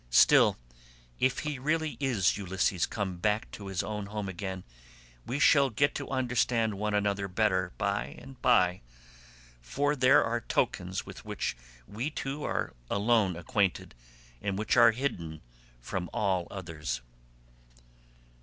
Still, if he really is Ulysses come back to his own home again, we shall get to understand one another better by and by, for there are tokens with which we two are alone acquainted, and which are hidden from all others."